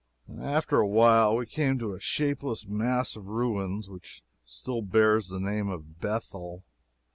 After a while we came to a shapeless mass of ruins, which still bears the name of Bethel.